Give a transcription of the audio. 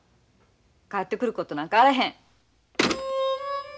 帰ってくることなんかあらへん！